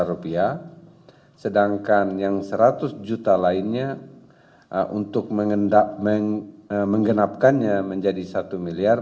rupiah sedangkan yang seratus juta lainnya untuk mengendap menggenapkannya menjadi satu miliar